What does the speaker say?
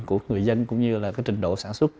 của người dân cũng như là cái trình độ sản xuất